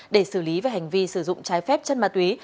để xử lý về hành vi sử dụng trái phép chất ma túy